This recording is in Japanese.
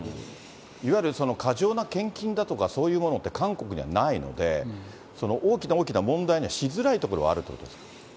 いわゆる過剰な献金だとか、そういうものって韓国にはないので、大きな大きな問題にはしづらそうですね。